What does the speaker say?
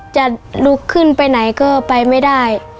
จะลุกขึ้นไปไหนก็ไปไม่ได้